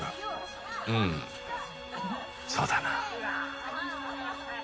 うんそうだな。